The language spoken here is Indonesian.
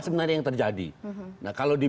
sebenarnya yang terjadi nah kalau di